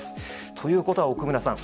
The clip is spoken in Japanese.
ということは奥村さん